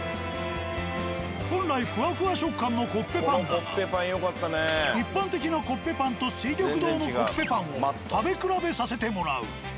本来ふわふわ食感のコッペパンだが一般的なコッペパンと「翠玉堂」のコッペパンを食べ比べさせてもらう。